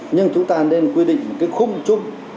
nhưng chúng ta nên quy định cái khung chung